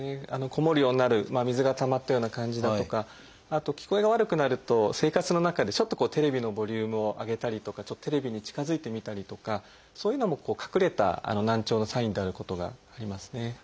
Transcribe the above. こもるようになる水がたまったような感じだとかあと聞こえが悪くなると生活の中でちょっとテレビのボリュームを上げたりとかちょっとテレビに近づいて見たりとかそういうのも隠れた難聴のサインであることがありますね。